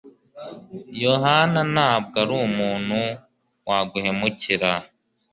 Yohana ntabwo ari umuntu waguhemukira